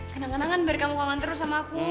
kenang kenangan biar kamu kangen terus sama aku